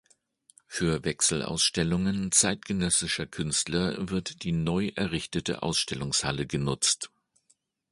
Für Wechselausstellungen zeitgenössischer Künstler wird die neu errichtete Ausstellungshalle genutzt.